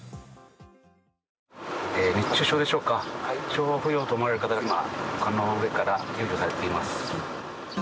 熱中症でしょうか体調不良と思われる方が今、丘の上から救助されています。